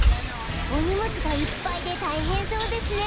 お荷物がいっぱいで大変そうですね。